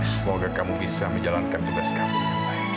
semoga kamu bisa menjalankan tugas kamu dengan baik